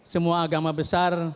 semua agama besar